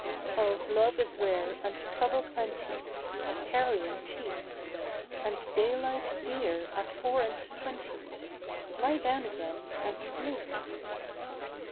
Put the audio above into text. "Oh love is rare and trouble plenty And carrion cheap, And daylight dear at four and twenty: Lie down again and sleep."